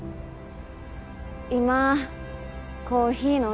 今コーヒー飲ん